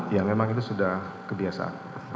ya memang itu sudah kebiasaan